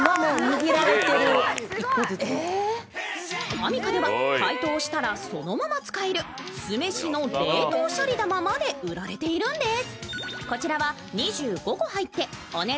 アミカでは解凍したらそのまま使える酢飯の冷凍しゃり玉まで売られているんです。